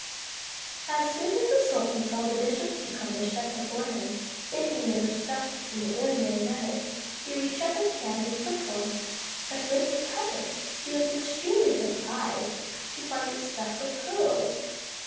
As soon as the sultan saw the dish of cucumbers set before him, thinking they were stuffed in the ordinary manner, he reached out his hand and took one; but when he cut it, he was extremely surprised to find it stuffed with pearls.